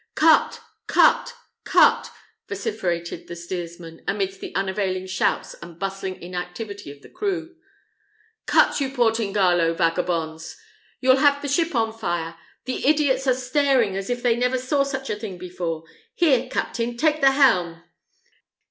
"Cut! cut! cut!" vociferated the steersman, amidst the unavailing shouts and bustling inactivity of the crew; "cut, you Portingallo vagabonds! You'll have the ship on fire. The idiots are staring as if they never saw such a thing before. Here, captain, take the helm.